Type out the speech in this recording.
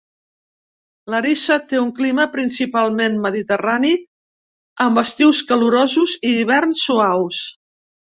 Larissa té un clima principalment mediterrani amb estius calorosos i hiverns suaus.